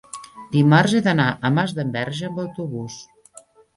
dimarts he d'anar a Masdenverge amb autobús.